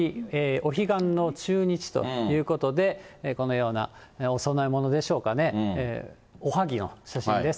お彼岸の中日ということで、このようなお供え物でしょうかね、おはぎの写真です。